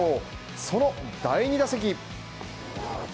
その第２打席。